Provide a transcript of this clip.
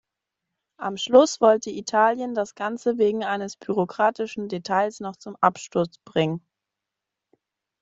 Am Schluss wollte Italien das Ganze wegen eines bürokratischen Details noch zum Absturz bringen.